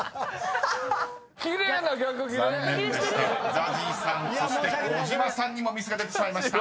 ［ＺＡＺＹさんそして児嶋さんにもミスが出てしまいました］